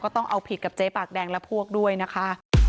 ต้องเอาผิดกับเจ๊ปากแดงและพวกด้วยนะคะ